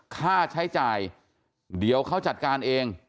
ค่าใช้จ่ายเดี๋ยวเขาจัดการเอง